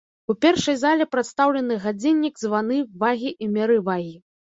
У першай зале прадстаўлены гадзіннік, званы, вагі і меры вагі.